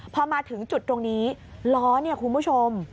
พอมาถึงจุดตรงนี้ล้อเนี่ยคุณผู้ชม